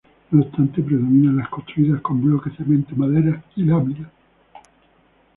No obstante predominan las construidas con bloque, cemento, maderas y láminas.